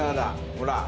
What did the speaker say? ほら。